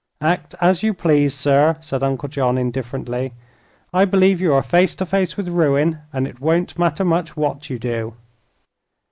"Act as you please, sir," said Uncle John, indifferently. "I believe you are face to face with ruin, and it won't matter much what you do."